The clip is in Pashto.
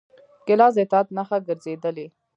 ګیلاس د اطاعت نښه ګرځېږي.